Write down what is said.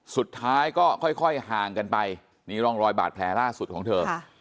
สุดท้ายก็ค่อยห่างกันไปนี่ร่องรอยบาดแผลล่าสุดของเธอ